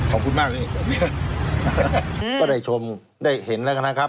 ขอบคุณมากนี่ก็ได้ชมได้เห็นแล้วกันนะครับ